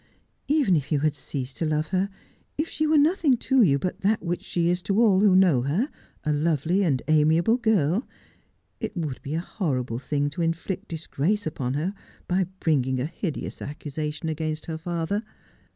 ' Even if you had ceased to love her, if she were nothing to you but that which she is to all who know her, a lovely and amiable girl, it would be a horrible thing to inflict disgrace upon her by bringing a hideous accusation against her father.